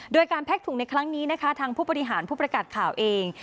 โดยการแพ็กถุงในครั้งนี้นะคะทางผู้บริหารผู้ประกาศข่าวเอง